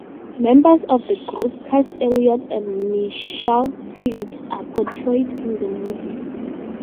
Members of the group Cass Elliot and Michelle Phillips are portrayed in the movie.